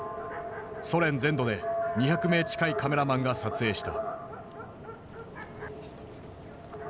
ソ連全土で２００名近いカメラマンが撮影した。